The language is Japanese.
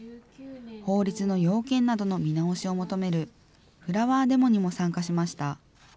法律の要件などの見直しを求めるフラワーデモにも参加しました。